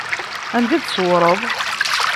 Anda i d-tṣewwreḍ?